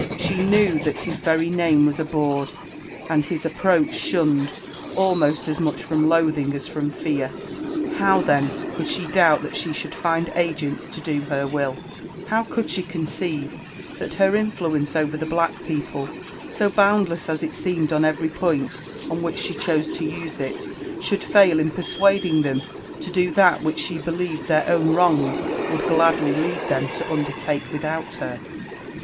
She knew that his very name was abhorred, and his approach shunned, almost as much from loathing as from fear. M IJFfi AKD ADVENTURES W How, (h^n, eould she ddiibt thai she should fiiid dgent^ t6 do Rer wJHt How cofild she conceive Ihal her influence over the black peo— pie, 80 boundless as it seemed on every point on which sh^ chose lo u^e Hi should fail in persuading Ihem lo do that which she helieved their owff trron;^ w^ild gladly lead Iheni 16 undertake without her